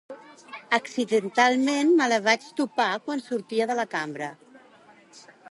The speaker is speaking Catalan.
Accidentalment, me la vaig topar quan sortia de la cambra